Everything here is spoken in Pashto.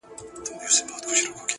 • اوس يــې آهـونـــه په واوښتـل.